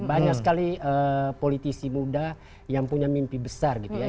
banyak sekali politisi muda yang punya mimpi besar gitu ya